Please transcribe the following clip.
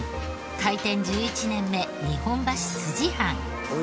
開店１１年目日本橋つじ半。